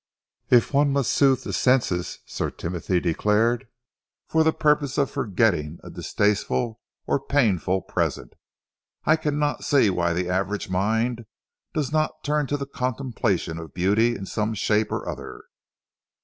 "If one must soothe the senses," Sir Timothy declared, "for the purpose of forgetting a distasteful or painful present, I cannot see why the average mind does not turn to the contemplation of beauty in some shape or other.